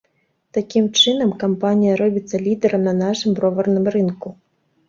Такім чынам, кампанія робіцца лідарам на нашым броварным рынку.